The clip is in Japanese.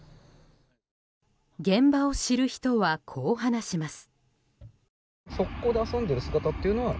現場を知る人はこう話します。